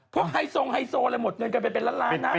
พวกไฮโซงไฮโซอะไรหมดเงินไปเป็นล้านนะ